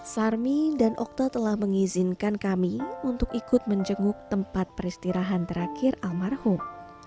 sarmi dan okta telah mengizinkan kami untuk ikut menjenguk tempat peristirahan terakhir almarhum